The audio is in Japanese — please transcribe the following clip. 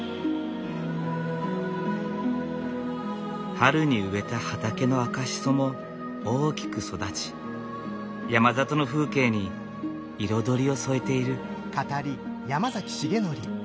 春に植えた畑の赤シソも大きく育ち山里の風景に彩りを添えている。